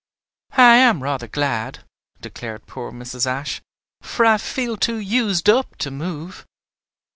"I am rather glad," declared poor Mrs. Ashe, "for I feel too used up to move.